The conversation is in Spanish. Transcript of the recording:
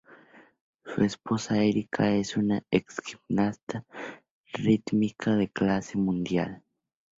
Su esposa Erika es una ex gimnasta rítmica de clase mundial.